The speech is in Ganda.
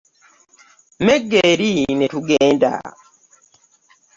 Megga eri ne tugenda .